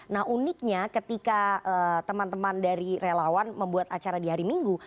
nah uniknya ketika teman teman dari relawan membuat acara di hari minggu